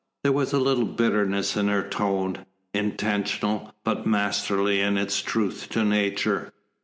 There was a little bitterness in her tone, intentional, but masterly in its truth to nature.